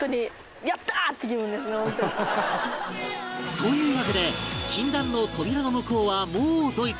というわけで禁断の扉の向こうはもうドイツ